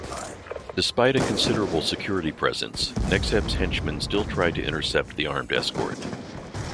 Despite a considerable security presence, Nexhep's henchmen still try to intercept the armed escort.